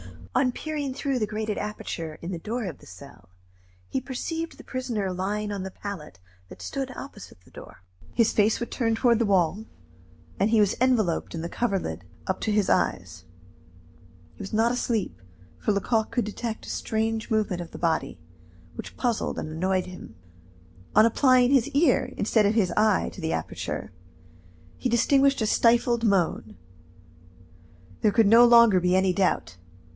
On peering through the grated aperture in the door of the cell, he perceived the prisoner lying on the pallet that stood opposite the door. His face was turned toward the wall, and he was enveloped in the coverlid up to his eyes. He was not asleep, for Lecoq could detect a strange movement of the body, which puzzled and annoyed him. On applying his ear instead of his eye to the aperture, he distinguished a stifled moan. There could no longer be any doubt.